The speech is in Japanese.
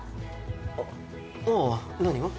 あっああ何を？